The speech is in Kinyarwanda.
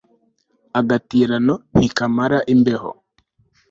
agatirano ntikamara imbeho